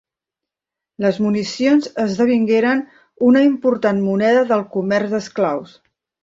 Les municions esdevingueren una important moneda del comerç d'esclaus.